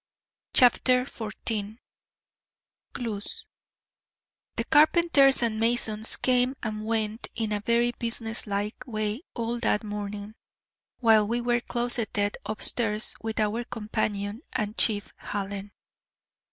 CHAPTER XIV Clues The carpenters and masons came and went in a very business like way all that morning, while we were closeted upstairs with our companion and Chief Hallen.